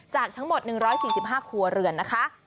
จากทั้งหมด๑๔๕ครัวเรือนนะคะ